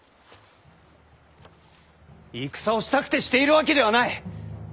戦をしたくてしているわけではない！